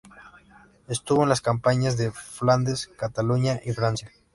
Estuvo en las campañas de Flandes, Cataluña y Francia.